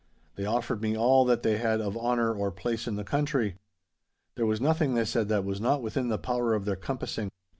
They offered me all that they had of honour or place in the country. There was nothing, they said, that was not within the power of their compassing.